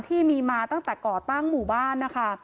ที่มีมาตั้งแต่ก่อตั้งหมู่บ้านนะคะ